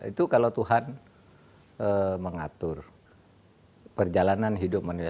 itu kalau tuhan mengatur perjalanan hidup manusia